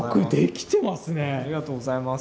ありがとうございます。